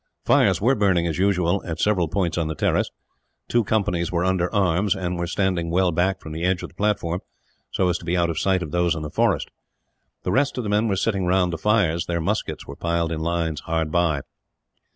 Fires were burning, as usual, at several points on the terrace. Two companies were under arms, and were standing well back from the edge of the platform, so as to be out of sight of those in the forest. The rest of the men were sitting round the fires. Their muskets were piled in lines hard by.